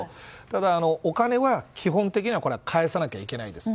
ただ、お金は基本的に返さないといけないです。